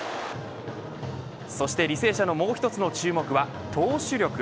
そして履正社のもう一つの注目は投手力。